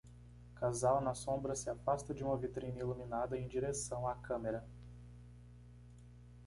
Casal na sombra se afasta de uma vitrine iluminada em direção à câmera